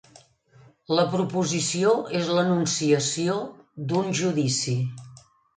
La proposició és l'enunciació d'un judici.